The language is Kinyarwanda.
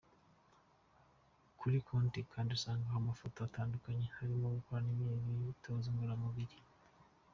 Kuri konti ze kandi usangaho amafoto atandukanye arimo gukora imyitozo ngororamubiri.